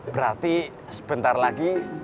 berarti sebentar lagi